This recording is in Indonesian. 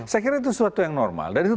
saya kira itu sesuatu yang normal dan itu